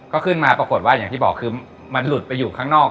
เขาขึ้นมาปรากฏว่าอย่างที่บอกอยู่ข้างนอก